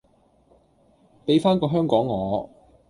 比返個香港我！